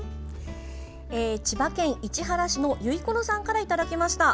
千葉県市原市のゆいころさんからいただきました。